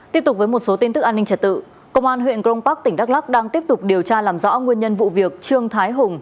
tiếp tục với một số tin tức an ninh trật tự công an huyện grong park tỉnh đắk lắc đang tiếp tục điều tra làm rõ nguyên nhân vụ việc trương thái hùng